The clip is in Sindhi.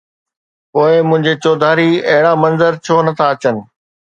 پوءِ منهنجي چوڌاري اهڙا منظر ڇو نه ٿا اچن؟